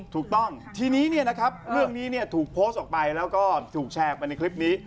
ถูกต้องทีนี้เรื่องนี้ถูกโพสต์ออกไปแล้วก็ถูกแชร์ออกไปในคลิปนี้